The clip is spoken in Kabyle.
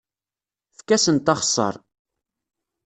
Efk-asent axeṣṣar.